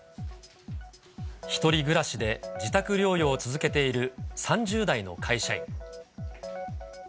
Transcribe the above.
一人暮らしで自宅療養を続けている３０代の会社員。